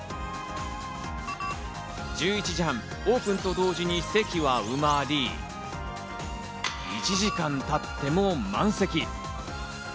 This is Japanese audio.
１１時半、オープンと同時に席は埋まり、１時間たっても満席。